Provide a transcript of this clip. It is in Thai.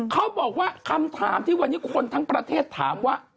เขาบอกว่าคำถามที่วันนี้คนทั้งประเทศถามว่า